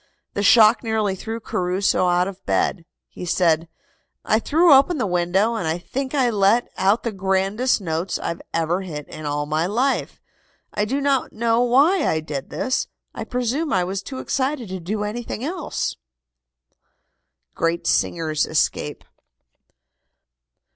The shock nearly threw Caruso out of bed. He said: "I threw open the window, and I think I let out the grandest notes I ever hit in all my life. I do not know why I did this. I presume I was too excited to do anything else." GREAT SINGERS ESCAPE.